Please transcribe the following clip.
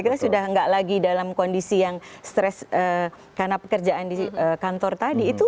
kita sudah nggak lagi dalam kondisi yang stress karena pekerjaan di kantor tadi